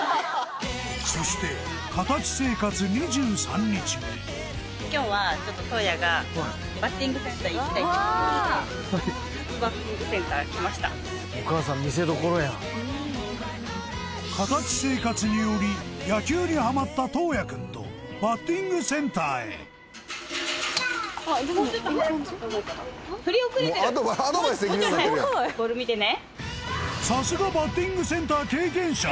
そしてお母さん見せどころやん形生活により野球にハマったとうやくんとバッティングセンターへさすがバッティングセンター経験者！